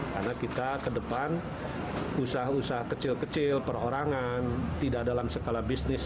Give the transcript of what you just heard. karena kita ke depan usaha usaha kecil kecil perorangan tidak dalam skala bisnis